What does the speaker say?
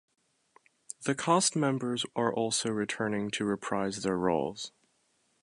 The cast members are also returning to reprise their roles.